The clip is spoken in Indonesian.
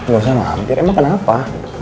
nggak usah mampir emang kenapa